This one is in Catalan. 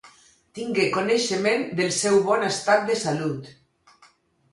Tingué coneixement del seu bon estat de salut.